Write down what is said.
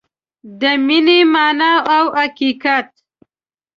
د مینې مانا او حقیقت